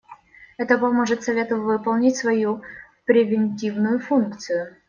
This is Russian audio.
Это поможет Совету выполнять свою превентивную функцию.